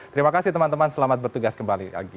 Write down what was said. terima kasih teman teman selamat bertugas kembali lagi